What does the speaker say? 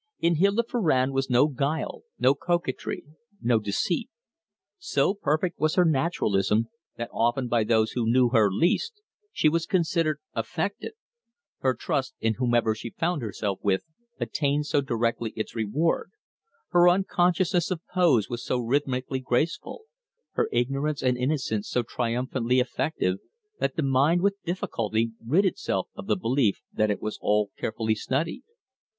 In Hilda Farrand was no guile, no coquetry, no deceit. So perfect was her naturalism that often by those who knew her least she was considered affected. Her trust in whomever she found herself with attained so directly its reward; her unconsciousness of pose was so rhythmically graceful; her ignorance and innocence so triumphantly effective, that the mind with difficulty rid itself of the belief that it was all carefully studied.